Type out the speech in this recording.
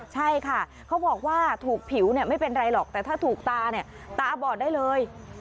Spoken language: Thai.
ใช่ค่ะเขาบอกว่าถูกผิวไม่เป็นไรหรอกแต่ถ้าถูกตาเนี่ยตาบอดได้เลย